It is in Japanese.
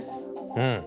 うん。